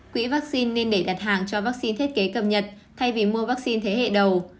quỹ vaccine nên để đặt hàng cho vaccine thiết kế cập nhật thay vì mua vaccine thế hệ đầu